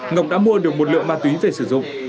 ngọc đã mua được một lựa ma túy để mua ma túy